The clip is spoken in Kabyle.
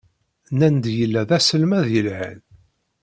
Nnan-d yella d aselmad yelhan.